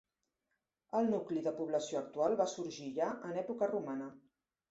El nucli de població actual va sorgir ja en època romana.